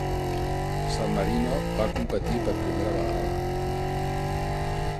San Marino va competir per primera vegada.